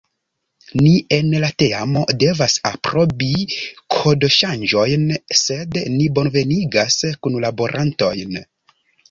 Ni en la teamo devas aprobi kodoŝanĝojn, sed ni bonvenigas kunlaborantojn!